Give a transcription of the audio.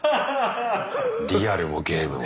リアルもゲームも。